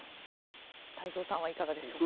太蔵さんはいかがでしょうか。